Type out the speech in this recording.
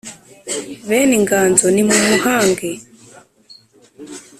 bene inganzo nimumuhange